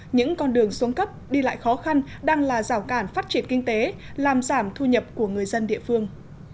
những con đường xuống cấp đi lại khó khăn đang là rào cản phát triển kinh tế làm giảm thu nhập của người dân địa phương